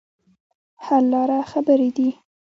حل لاره خبرې دي.